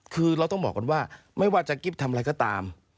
คือเราต้องบอกก่อนว่าไม่ว่าจะกิ๊บทำอะไรก็ตาม